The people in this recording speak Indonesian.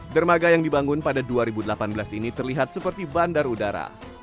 dermaga yang dibangun pada dua ribu delapan belas ini terlihat seperti bandar udara